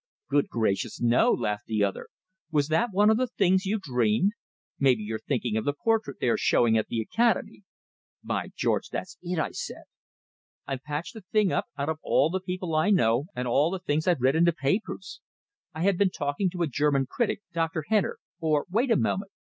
"Good gracious, no!" laughed the other. "Was that one of the things you dreamed? Maybe you're thinking of the portrait they are showing at the Academy." "By George, that's it!" I said. "I patched the thing up out of all the people I know, and all the things I've read in the papers! I had been talking to a German critic, Dr. Henner or wait a moment!